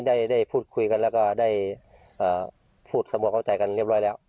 ได้พูดคุยกันแล้วก็ได้พูดสมัครเข้าใจกันเรียบร้อยแล้ว